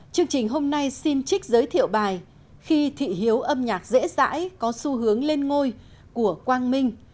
chương trình hôm nay xin trích giới thiệu bài khi thị hiếu âm nhạc dễ dãi có xu hướng lên ngôi của quang minh